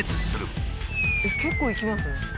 結構いきますね。